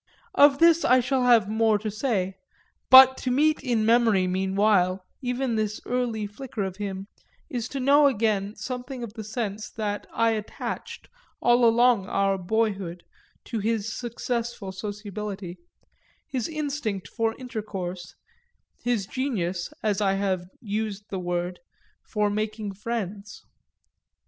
Of this I shall have more to say, but to meet in memory meanwhile even this early flicker of him is to know again something of the sense that I attached all along our boyhood to his successful sociability, his instinct for intercourse, his genius (as I have used the word) for making friends.